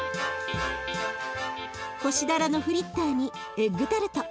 干しだらのフリッターにエッグタルト